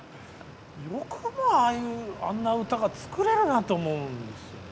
よくもああいうあんな歌が作れるなと思うんですよね。